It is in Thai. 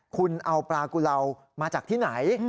คุณเอาปลากุเลามาจากที่ไหน